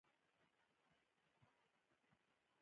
موږ مقاومت کوو ترڅو نوی نظام رامنځته شي.